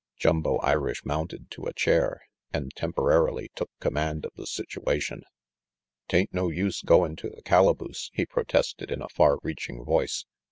Jumbo Irish mounted to a chair and temporarily took command of the situation. 192 RANGY PETE " 'Tain't no use goin' to the calaboose," he protested, in a far reaching voice.